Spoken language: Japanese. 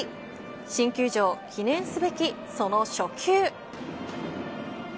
新球場記念すべきその初球。